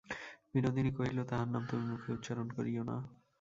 বিনোদিনী কহিল, তাহার নাম তুমি মুখে উচ্চারণ করিয়ো না।